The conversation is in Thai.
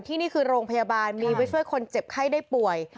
นี่คือโรงพยาบาลมีไว้ช่วยคนเจ็บไข้ได้ป่วย